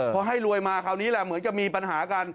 พอให้รวยมาคราวนี้แหละเหมือนกับมีปัญหากัน